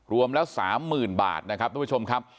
รวมแล้วสามหมื่นบาทนะครับทุกผู้ชมครับ